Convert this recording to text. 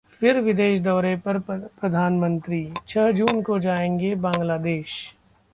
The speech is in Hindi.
फिर विदेश दौरे पर प्रधानमंत्री, छह जून को जाएंगे बांग्लादेश